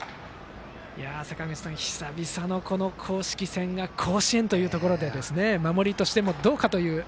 坂口さん、久々の公式戦が甲子園というところで守りとしても、どうかという。